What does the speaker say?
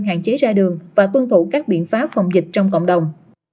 hạn chế ra đường và tuân thủ các biện pháp phòng dịch trong cộng đồng